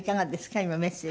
今メッセージ。